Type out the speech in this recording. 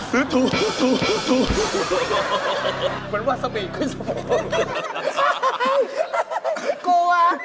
เหมือนวาซาบีขึ้นสะพาน